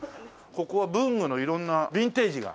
ここは文具の色んなビンテージが。